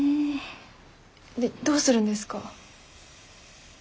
どうするんですか？